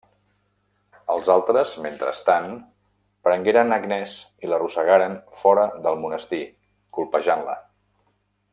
Els altres, mentrestant, prengueren Agnès i l'arrossegaren fora del monestir, colpejant-la.